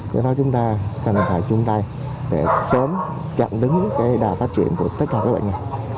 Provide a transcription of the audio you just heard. do đó chúng ta cần phải chung tay để sớm chặn đứng đà phát triển của tất cả các bệnh nghề